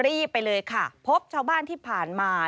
รีบไปเลยค่ะพบชาวบ้านที่ผ่านมา